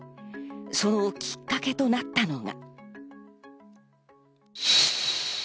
そのきっかけとなったのが。